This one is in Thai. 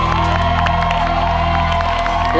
สวัสดีครับ